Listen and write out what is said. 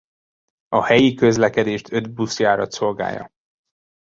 A helyi közlekedést öt buszjárat szolgálja.